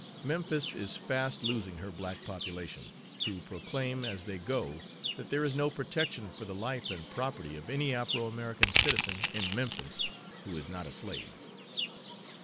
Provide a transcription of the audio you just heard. Memphis is fast losing her black population, who proclaim as they go that there is no protection for the life and property of any Afro American citizen in Memphis who is not a slave.